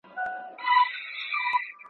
فشار د اړیکو سو تفاهم زیاتوي.